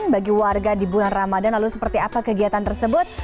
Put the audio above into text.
bagi warga di bulan ramadan lalu seperti apa kegiatan tersebut